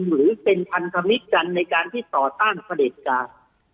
หรือเป็นพันธมิตรกันในการที่ต่อต้านเสด็จการ